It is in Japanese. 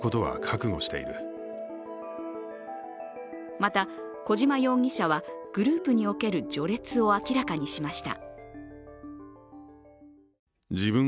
また、小島容疑者はグループにおける序列を明らかにしました。